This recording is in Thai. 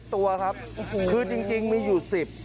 ตัวครับคือจริงมีอยู่๑๐